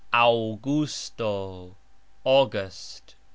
Auxgusto : August.